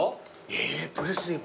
えっプレスリー